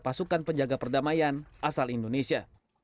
pasukan penjaga perdamaian asal indonesia